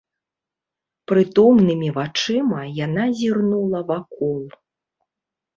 Прытомнымі вачыма яна зірнула вакол.